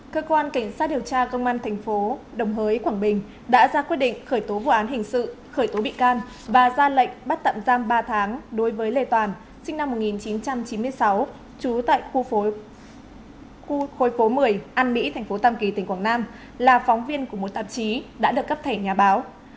cơ quan cảnh sát điều tra công an thành phố đồng hới quảng bình đã ra quyết định khởi tố vụ án hình sự khởi tố bị can và ra lệnh bắt tạm giam ba tháng đối với lê toàn sinh năm một nghìn chín trăm chín mươi sáu trú tại khu khối phố một mươi an mỹ tp tam kỳ tỉnh quảng nam là phóng viên của một tạp chí đã được cấp thẻ nhà báo